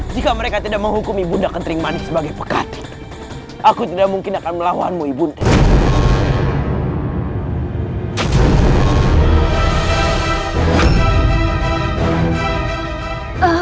jika mereka tidak menghukumi bund tujuh ratus empat puluh delapan mpm ketering manik sebagai pekhati aku data mungkin akan melawanmu ibunya nek